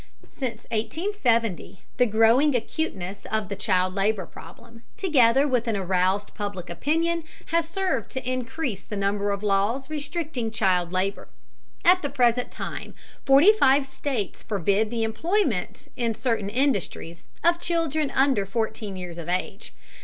Since 1870 the growing acuteness of the child labor problem, together with an aroused public opinion, has served to increase the number of laws restricting child labor. At the present time, forty five states forbid the employment in certain industries of children under fourteen years of age.